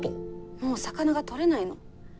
もう魚が取れないの。